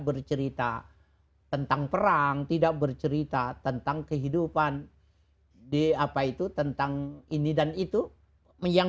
bercerita tentang perang tidak bercerita tentang kehidupan di apa itu tentang ini dan itu yang